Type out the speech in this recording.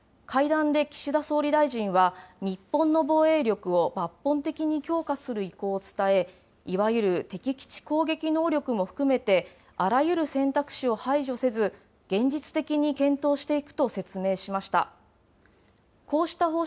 会談で岸田総理大臣は、日本の防衛力を抜本的に強化する意向を伝え、いわゆる敵基地攻撃能力も含めて、あらゆる選択肢を排除せず、現実的に検討していくと説明しました。